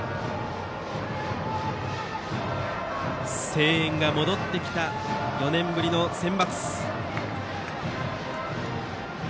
声援が戻ってきた４年ぶりのセンバツ。